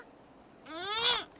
うん。